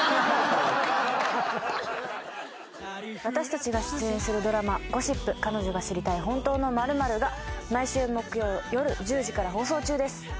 私たちが出演するドラマ『ゴシップ＃彼女が知りたい本当の○○』が毎週木曜夜１０時から放送中です。